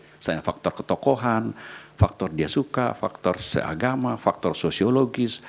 misalnya faktor ketokohan faktor dia suka faktor seagama faktor sosiologis